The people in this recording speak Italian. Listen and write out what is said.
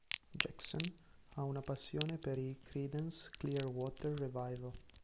Jackson ha una passione per i Creedence Clearwater Revival.